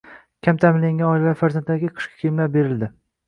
Kam ta’minlangan oilalar farzandlariga qishki kiyimlar berildi